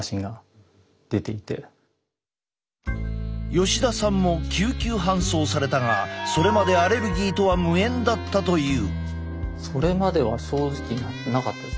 吉田さんも救急搬送されたがそれまでアレルギーとは無縁だったという。